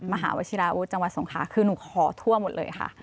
มหาวชิราวุฒิจังหวัดสงขาคือหนูขอทั่วหมดเลยค่ะ